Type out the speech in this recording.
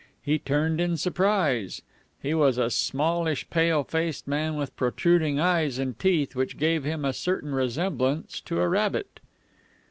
He turned in surprise. He was a smallish, pale faced man with protruding eyes and teeth which gave him a certain resemblance to a rabbit.